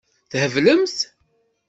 Theblemt?